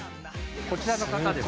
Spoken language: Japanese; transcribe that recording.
こちらの方です。